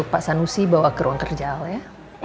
pak sanusi bawa ke ruang kerja al ya